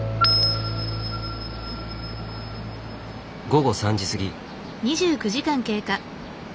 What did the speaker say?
午後３時過ぎ。